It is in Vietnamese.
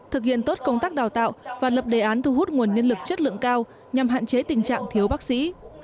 thực hiện tốt công tác đào tạo và lập đề án thu hút nguồn nhân lực chất lượng cao nhằm hạn chế tình trạng thiếu bác sĩ